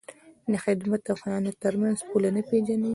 د خدمت او خیانت تر منځ پوله نه پېژني.